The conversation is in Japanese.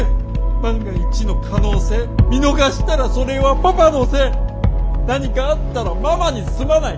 万が一の可能性見逃したらそれはパパのせい何かあったらママにすまない